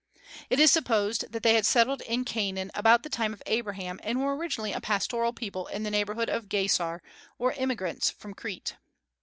It is supposed that they had settled in Canaan about the time of Abraham, and were originally a pastoral people in the neighborhood of Gesar, or emigrants from Crete.